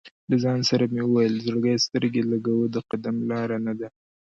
له ځان سره مې ویل: "زړګیه سترګې لګوه، د قدم لاره نه ده".